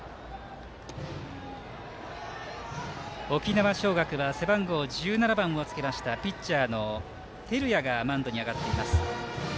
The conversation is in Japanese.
沖縄尚学は背番号１７番をつけましたピッチャーの照屋がマウンドに上がっています。